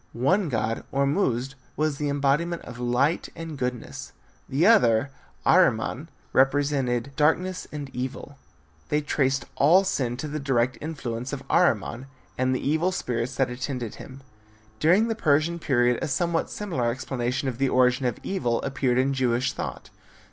One god, Ormuzd, was the embodiment of light and goodness. The other, Ahriman, represented darkness and evil. They traced all sin to the direct influence of Ahriman and the evil spirits that attended him. During the Persian period a somewhat similar explanation of the origin of evil appeared in Jewish thought.